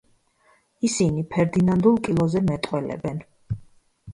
ისინი ფერეიდნულ კილოზე მეტყველებენ.